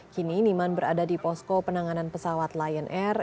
kini niman berada di posko penanganan pesawat lion air